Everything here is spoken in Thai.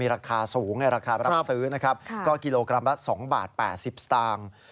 มีราคาสูงในราคารับซื้อนะครับก็กิโลกรัมละสองบาทแปดสิบสุดต่าง